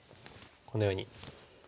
このように。